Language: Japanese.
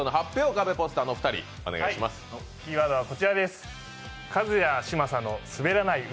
キーワードはこちらです。